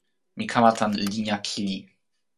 mi kama tan linja kili.